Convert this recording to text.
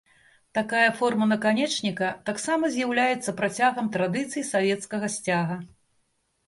Такая форма наканечніка таксама з'яўляецца працягам традыцый савецкага сцяга.